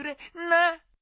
なあ？